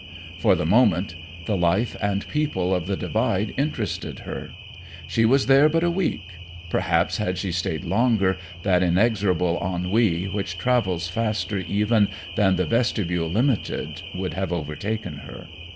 For the moment the life and people of the Divide interested her. She was there but a week; perhaps had she stayed longer, that inexorable ennui which travels faster even than the Vestibule Limited would have overtaken her.